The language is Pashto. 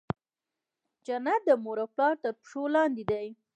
جنت د مور او پلار تر پښو لاندي دی.